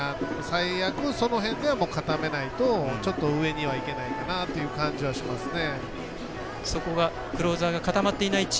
最悪、その辺で固めないとちょっと上にはいけないかなという感じがしますね。